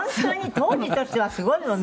当時としてはすごいわね。